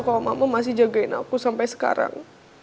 kalau mama masih jagain aku sampai sekarang